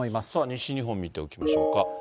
西日本見ていきましょうか。